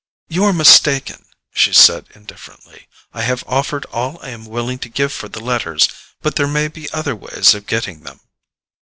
"You are mistaken," she said indifferently. "I have offered all I am willing to give for the letters; but there may be other ways of getting them."